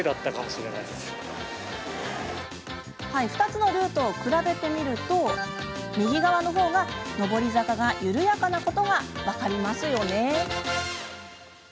２つのルートを比べてみると右側の方が上り坂が緩やかなことが分かりますよね。